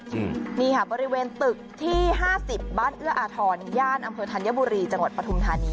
อืมนี่ค่ะบริเวณตึกที่ห้าสิบบ้านเอื้ออาทรย่านอำเภอธัญบุรีจังหวัดปฐุมธานี